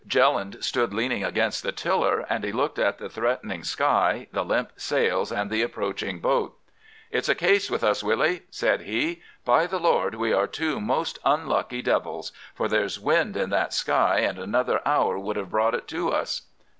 Jelland stood leaning against the tiller, and he looked at the threatening sky, the limp sails, and the approaching boat. "'It's a case with us, Willy,' said he. 'By the Lord, we are two most unlucky devils, for there's wind in that sky, and another hour would have brought it to us.